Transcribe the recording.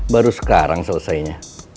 baru sekarang selesainya